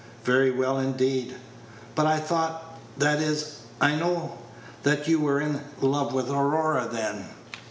"Very well, indeed." "But I thought that is, I know that you were in love with Aurora then."